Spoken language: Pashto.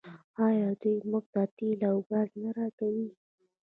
آیا دوی موږ ته تیل او ګاز نه راکوي؟